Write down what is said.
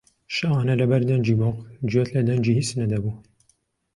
شەوانە لەبەر دەنگی بۆق گوێت لە دەنگی هیچ نەدەبوو